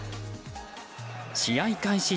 試合開始